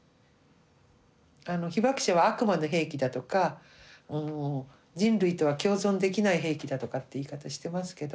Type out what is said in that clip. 被爆者は悪魔の兵器だとか人類とは共存できない兵器だとかって言い方してますけど。